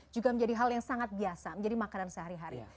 juga menjadi hal yang sangat biasa menjadi makanan sehari hari